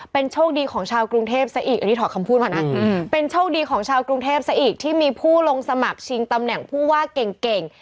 เป็นโชคดีของชาวกรุงเทพสะอีกที่มีผู้ลงสมัครชิงตำแหน่งผู้ว่าเก่ง